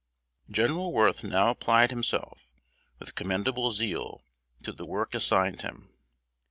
General Worth now applied himself, with commendable zeal, to the work assigned him.